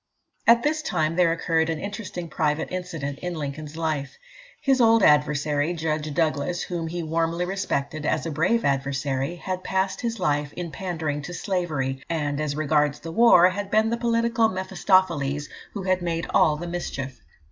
At this time, there occurred an interesting private incident in Lincoln's life. His old adversary, Judge Douglas, whom he warmly respected as a brave adversary, had passed his life in pandering to slavery, and, as regards the war, had been the political Mephistopheles who had made all the mischief.